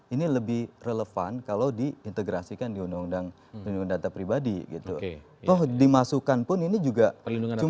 ini lebih relevan kalau diintegrasikan di undang undang perlindungan data pribadi